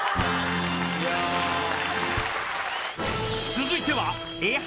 ［続いては］